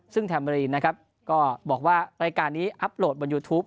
ซึ่งแทมรีนนะครับก็บอกว่ารายการนี้อัพโหลดบนยูทูป